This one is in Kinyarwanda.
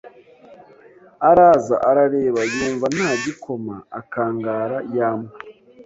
Araza arareba yumva nta gikoma, akangara ya mbwa